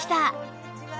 こんにちは。